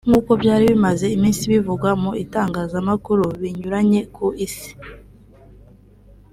nkuko byari bimaze iminsi bivugwa mu bitangazamakuru binyuranye ku isi